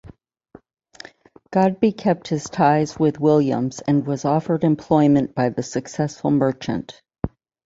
Godbe kept his ties with Williams and was offered employment by the successful merchant.